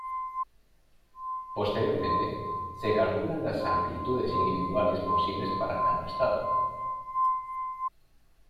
Posteriormente, se calculan las amplitudes individuales posibles para cada estado.